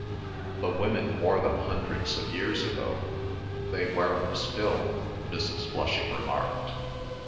"The women wore them hundreds of years ago, they wear 'em still," Mrs. Flushing remarked.